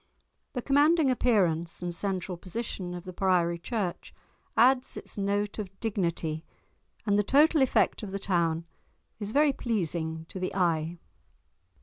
The commanding appearance and central position of the priory church adds its note of dignity, and the total effect of the town is very pleasing to the eye.